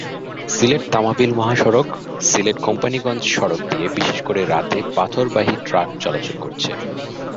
সিলেট-তামাবিল মহাসড়ক, সিলেট-কোম্পানীগঞ্জ সড়ক দিয়ে বিশেষ করে রাতে পাথরবাহী ট্রাক চলাচল করছে।